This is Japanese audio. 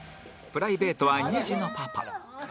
プライベートは２児のパパ